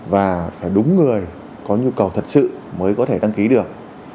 và phải đúng người có nhu cầu thật sự mới có thể đăng ký được